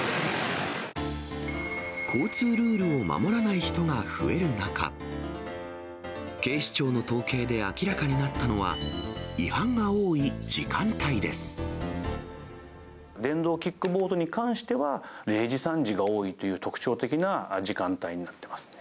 交通ルールを守らない人が増える中、警視庁の統計で明らかになったのは、電動キックボードに関しては、０時から３時が多いという特徴的な時間帯になってますね。